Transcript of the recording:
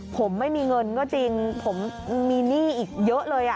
ผมไม่มีเงินก็จริงผมมีหนี้อีกเยอะเลย